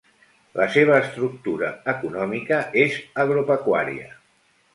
La seva estructura econòmica és agropecuària.